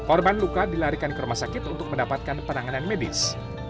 korban luka dilarikan ke rumah sakit untuk mendapatkan penanganan medis